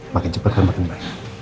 makin cepet kan makin baik